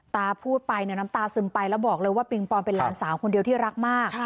ตาพูดไปเนี่ยน้ำตาซึมไปแล้วบอกเลยว่าปิงปองเป็นหลานสาวคนเดียวที่รักมาก